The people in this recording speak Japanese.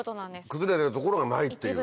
崩れてる所がないっていうね。